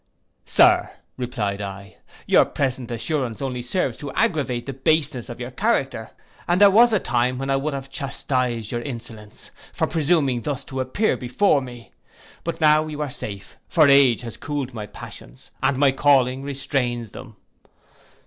'Sir,' replied I, 'your present assurance only serves to aggravate the baseness of your character; and there was a time when I would have chastised your insolence, for presuming thus to appear before me. But now you are safe; for age has cooled my passions, and my calling restrains them.